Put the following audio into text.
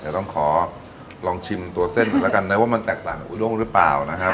เดี๋ยวต้องขอลองชิมตัวเส้นกันแล้วกันนะว่ามันแตกต่างกับอุด้งหรือเปล่านะครับ